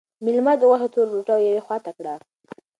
مېلمه د غوښې توره ټوټه یوې خواته کړه.